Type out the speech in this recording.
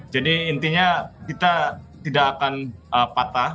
jadi intinya kita tidak akan patah